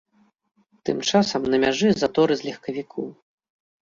Тым часам на мяжы заторы з легкавікоў.